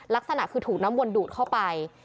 ลักษณะคือถูกน้ำวนดูดเข้าไป